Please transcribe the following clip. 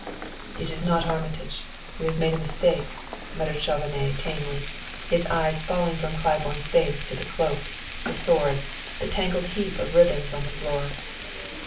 "It is not Armitage; we have made a mistake!" muttered Chauvenet tamely, his eyes falling from Claiborne's face to the cloak, the sword, the tangled heap of ribbons on the floor.